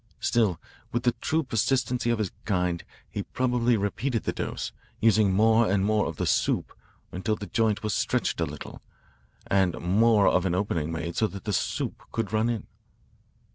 Still, with the true persistency of his kind, he probably repeated the dose, using more and more of the 'soup' until the joint was stretched a little, and more of an opening made so that the 'soup' could run in.